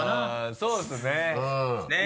そうですね。ねぇ。